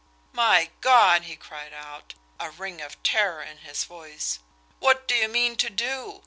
"My God!" he cried out, a ring of terror in his voice "What do you mean to do?